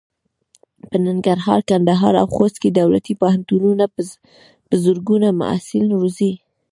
په ننګرهار، کندهار او خوست کې دولتي پوهنتونونه په زرګونو محصلین روزي.